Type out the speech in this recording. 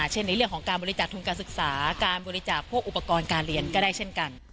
เช่นในเรื่องของการบริจาคทุนการศึกษาการบริจาคพวกอุปกรณ์การเรียนก็ได้เช่นกัน